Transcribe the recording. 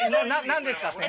何ですか？